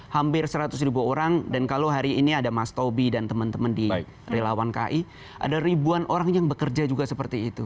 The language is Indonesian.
hampir seratus ribu orang dan kalau hari ini ada mas tobi dan teman teman di relawan ki ada ribuan orang yang bekerja juga seperti itu